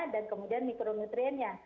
dan kemudian mikronutriennya